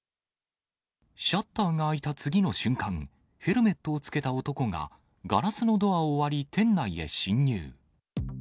シャッターが開いた次の瞬間、ヘルメットをつけた男が、ガラスをドアを割り、店内へ侵入。